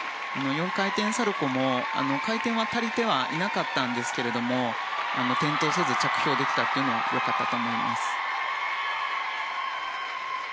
４回転サルコウも、回転は足りていなかったんですけれども転倒せず着氷できたのは良かったと思います。